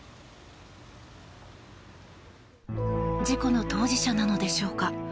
事故の当事者なのでしょうか